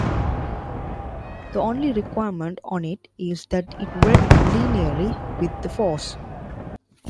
The only requirement on it is that it read linearly with force.